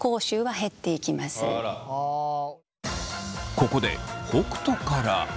ここで北斗から。